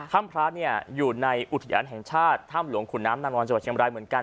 ท่ำพระเนี้ยอยู่ในอุทิศรรย์แห่งชาติท่ำหลวงขุนน้ำนามวันเจาะเชียมรายเหมือนกัน